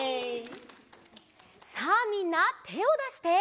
さあみんなてをだして！